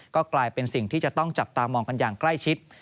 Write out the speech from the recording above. ก็กลายเป็นสิ่งที่จะต้องจับตามองกันอย่างใกล้ชิด